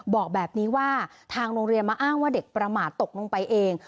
บอกแบบนี้ว่าทางโรงเรียนมาอ้างว่าเด็กประมาทตกลงไปเอง